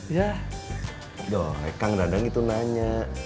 yah doang kang radang itu nanya